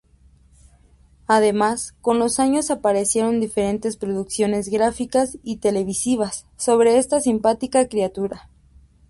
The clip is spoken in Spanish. Además, con los años, aparecieron diferentes producciones gráficas y televisivas sobre esta simpática criatura.